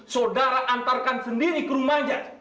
saudara antarkan sendiri ke rumahnya